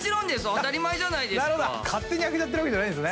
当たり前じゃないですか。